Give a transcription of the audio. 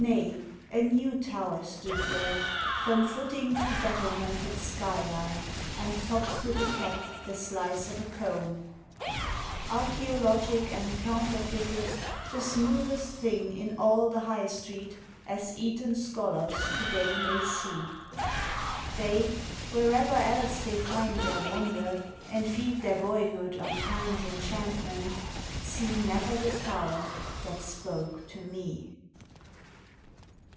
Nay a new tow'r stood there From footing to battlemented skyline And topt with a cap the slice of a cone Archæologic and counterfeited The smoothest thing in all the high street As Eton scholars to day may see: They wherever else they find their wonder And feed their boyhood on Time's enchantment See never the Tow'r that spoke to me.